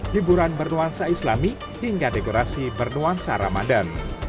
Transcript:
hiburan bernuansa islami hingga dekorasi bernuansa ramadan